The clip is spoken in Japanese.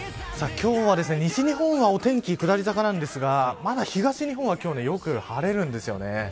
今日は西日本はお天気、下り坂なんですがまだ東日本は今日はよく晴れるんです。